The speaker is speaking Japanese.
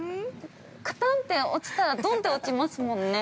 カタンって落ちたらドンって落ちますもんね。